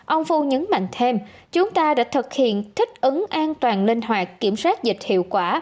ông phu nhấn mạnh thêm chúng ta đã thực hiện thích ứng an toàn linh hoạt kiểm soát dịch hiệu quả